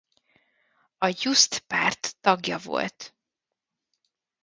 A Justh-párt tagja volt.